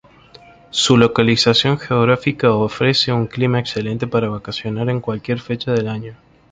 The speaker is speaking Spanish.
Su localización geográfica ofrece un clima excelente para vacacionar en cualquier fecha del año.